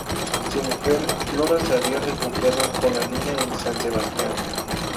Su mujer, Flora se había refugiado con la niña en San Sebastián.